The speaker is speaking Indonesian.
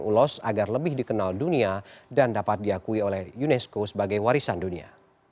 ulos agar lebih dikenal dunia dan dapat diakui oleh unesco sebagai warisan dunia